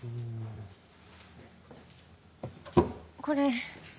これ。